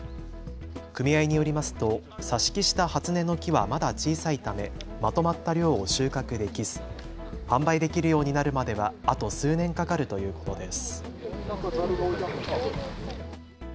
組合によりますと挿し木した初音の木はまだ小さいため、まとまった量を収穫できず、販売できるようになるまではあと数年かかるということです。